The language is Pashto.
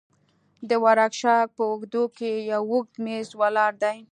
د ورکشاپ په اوږدو کښې يو اوږد مېز ولاړ دى.